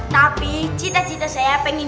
tapi cita cita saya pengen